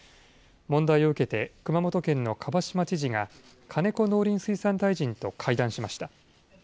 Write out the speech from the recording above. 問題を受けて熊本県の蒲島知事が、金子農林水産大臣と会談しました。